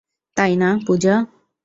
তাই না, পূজা?